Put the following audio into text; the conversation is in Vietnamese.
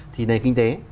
thì nền kinh tế